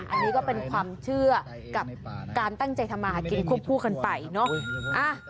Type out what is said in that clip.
อันนี้ก็เป็นความเชื่อกับการตั้งใจทำมาหากินควบคู่กันไปเนอะ